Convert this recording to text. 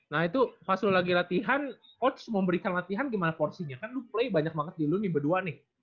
nah itu pas lu lagi latihan coach memberikan latihan gimana porsinya kan lu play banyak banget di lu nih berdua nih